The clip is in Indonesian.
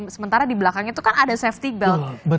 sementara di belakang itu kan ada safety belt